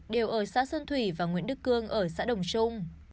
đều ở xã sơn thủy và nguyễn đức cương ở xã đồng trung